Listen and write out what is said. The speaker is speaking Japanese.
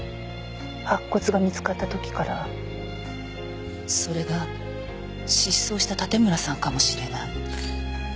白骨が見つかった時からそれが失踪した盾村さんかもしれない。